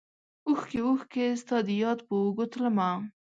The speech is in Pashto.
اوښکې ، اوښکې ستا دیاد په اوږو تلمه